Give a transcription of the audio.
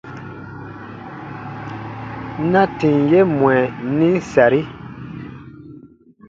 Na tìm ye mwɛ nim sari :